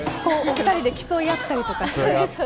２人で競い合ったりとかして。